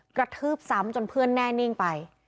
กระทืบซ้ำจนเพื่อนแน่นิ่งไป